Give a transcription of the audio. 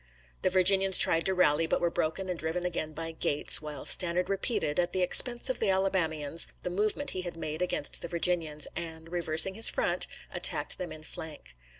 The Virginians tried to rally, but were broken and driven again by Gates, while Stannard repeated, at the expense of the Alabamians, the movement he had made against the Virginians, and, reversing his front, attacked them in flank.